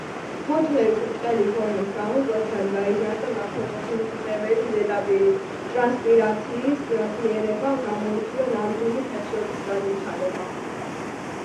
ფოთლების ბრტყელი ფორმის გამო მკვეთრად გაიზარდა მაფოტოსინთეზებელი ზედაპირი; ტრანსპირაციის გაძლიერებამ გამოიწვია ნამდვილი ფესვების განვითარება.